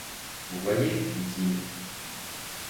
Vous voyez, dit-il.